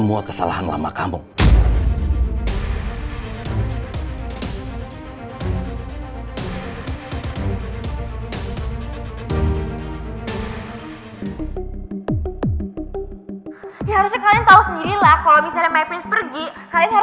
gue sih mau aja ya kejar sendiri